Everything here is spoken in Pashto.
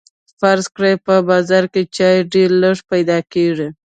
فرض کړئ په بازار کې چای ډیر لږ پیدا کیږي.